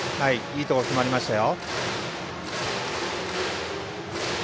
いいところに決まりましたよ。